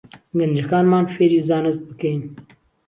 گەنجەکانمان فێری زانست بکەین